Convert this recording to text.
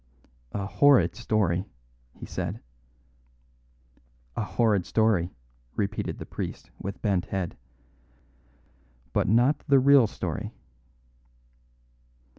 "A horrid story," he said. "A horrid story," repeated the priest with bent head. "But not the real story."